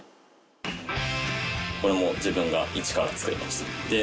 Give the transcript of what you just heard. これも自分が一から作りました。